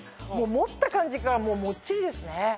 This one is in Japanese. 持った感じからもうもっちりですね。